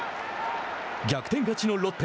逆転勝ちのロッテ。